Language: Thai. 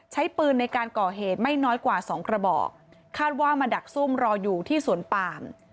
ใช้ปืนในการก่อเหตุไม่น้อยกว่าสองกระบอกคาดว่ามาดักซุ่มรออยู่ที่สวนปาม